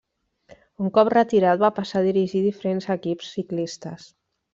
Un cop retirat va passar a dirigir diferents equips ciclistes.